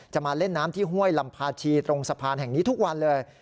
มาเล่นน้ำที่ห้วยลำพาชีตรงสะพานแห่งนี้ทุกวันเลย